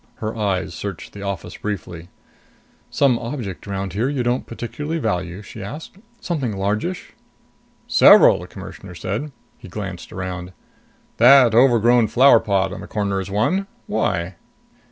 Her eyes searched the office briefly. "Some object around here you don't particularly value?" she asked. "Something largish?" "Several," the Commissioner said. He glanced around. "That overgrown flower pot in the corner is one. Why?"